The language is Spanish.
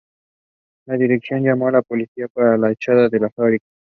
La dirección llamó a la policía para que los echara de la fábrica.